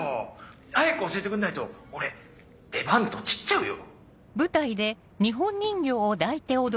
早く教えてくんないと俺出番トチっちゃうよ。